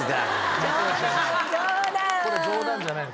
これ冗談じゃないね。